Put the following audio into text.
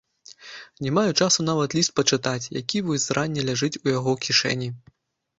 Не мае часу нават ліст пачытаць, які вось зрання ляжыць у яго кішэні.